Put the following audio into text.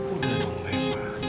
udah dong reva